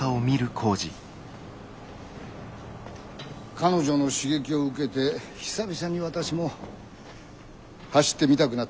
彼女の刺激を受けて久々に私も走ってみたくなったんだ。